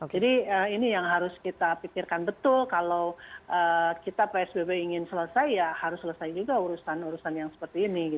jadi ini yang harus kita pikirkan betul kalau kita psbb ingin selesai ya harus selesai juga urusan urusan yang seperti ini